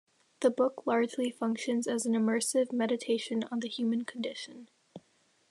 The book largely functions as an immersive meditation on the human condition.